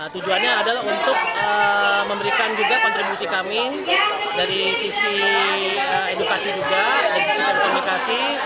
tujuannya adalah untuk memberikan juga kontribusi kami dari sisi edukasi juga dari sisi dan komunikasi